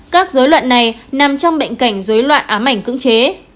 các dối loạn này nằm trong bệnh cảnh dối loạn ám ảnh cưỡng chế